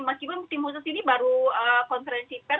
meskipun tim khusus ini baru konferensi pers